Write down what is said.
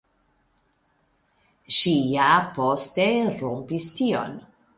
Ŝi ja poste rompis tion.